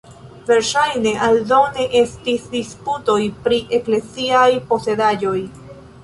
Verŝajne, aldone estis disputoj pri ekleziaj posedaĵoj.